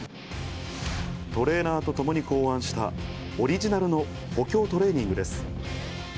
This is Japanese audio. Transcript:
トレーナーと共に考案したオリジナルの補強トレーニングです。